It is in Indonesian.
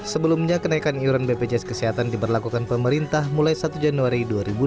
sebelumnya kenaikan iuran bpjs kesehatan diberlakukan pemerintah mulai satu januari dua ribu dua puluh